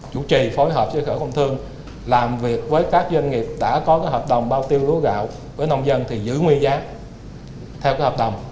chủ trì phối hợp với khởi công thương làm việc với các doanh nghiệp đã có hợp đồng bao tiêu lúa gạo với nông dân thì giữ nguyên giá theo hợp đồng